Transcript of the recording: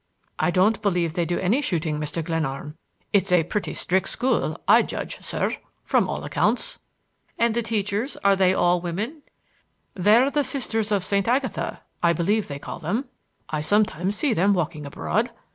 "I don't believe they do any shooting, Mr. Glenarm. It's a pretty strict school, I judge, sir, from all accounts." "And the teachers—they are all women?" "They're the Sisters of St. Agatha, I believe they call them. I sometimes see them walking abroad.